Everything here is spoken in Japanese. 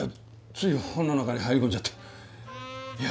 つい本の中に入り込んじゃっていや